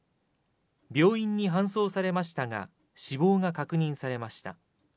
病院に搬送されましたが、死亡が確認されました。